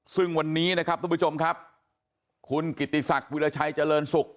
ซึ่งวันนี้นะครับทุกผู้ชมครับคุณกิติศักดิ์วิราชัยเจริญศุกร์